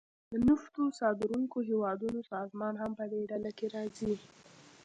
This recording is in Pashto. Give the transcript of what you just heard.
د نفتو صادرونکو هیوادونو سازمان هم پدې ډله کې راځي